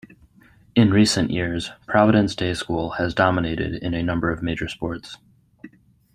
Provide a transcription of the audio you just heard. In recent years, Providence Day School has dominated in a number of major sports.